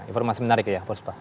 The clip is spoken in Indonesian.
informasi menarik ya furspa